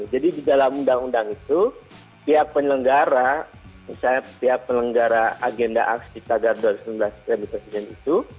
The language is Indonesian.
jadi di dalam undang undang itu pihak penyelenggara misalnya pihak penyelenggara agenda aksi tagar dua ribu sembilan belas kredit presiden itu